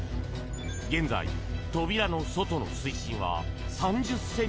現在、扉の外の水深は３０ｃｍ。